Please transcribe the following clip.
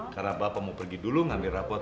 karena bapak mau pergi dulu ngambil rapot